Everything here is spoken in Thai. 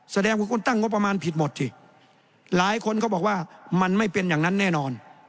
แสดงว่าคุณตั้งงบประมาณผิดหมดสิหลายคนเขาบอกว่ามันไม่เป็นอย่างนั้นแน่นอน